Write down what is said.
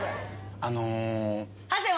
あの。